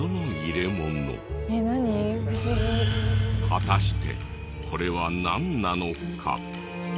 果たしてこれはなんなのか？